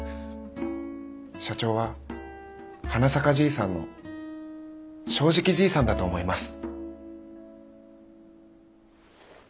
社長ははなさかじいさんの正直じいさんだと思います。